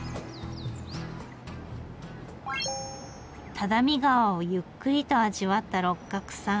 只見川をゆっくりと味わった六角さん。